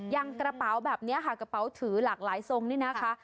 อย่างกระเป๋าแบบนี้ค่ะกระเป๋าถือหลากหลายทรงนี่นะคะ